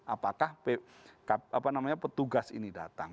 apakah petugas ini datang